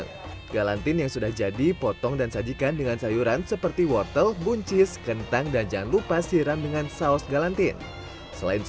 kalau harganya gimana pak terjangkau gak ini